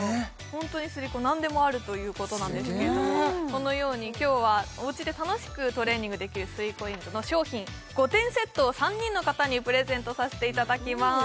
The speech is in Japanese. ホントにスリコ何でもあるということなんですけれどもこのように今日はおうちで楽しくトレーニングできる３ＣＯＩＮＳの商品５点セットを３人の方にプレゼントさせていただきます